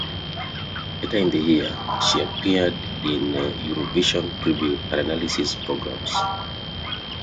Later in the year, she appeared in Eurovision preview and analysis programmes.